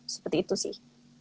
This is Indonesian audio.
seperti itu sih